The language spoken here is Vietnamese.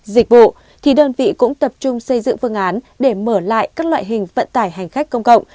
dịch vụ thì đơn vị cũng tập trung xây dựng phương án để mở lại các loại hình vận tải hành khách công cộng